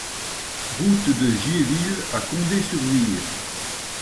Route de Giéville à Condé-sur-Vire